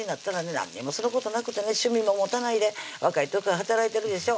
何にもすることなくてね趣味も持たないで若い時は働いてるでしょ